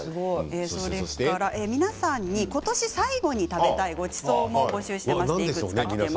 皆さんに、ことし最後に食べたいごちそうも募集していました。